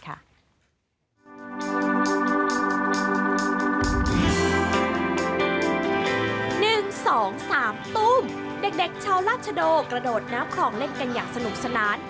๑๒๓ตุ้มเด็กชาวราชโดกระโดดน้ำคลองเล่นกันอย่างสนุกสนาน